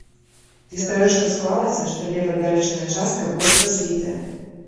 Гістарычна склалася, што левабярэжная частка больш развітая.